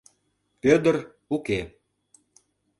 Пӧдыр уке.